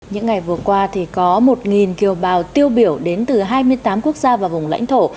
những ngày vừa qua thì có một kiều bào tiêu biểu đến từ hai mươi tám quốc gia và vùng lãnh thổ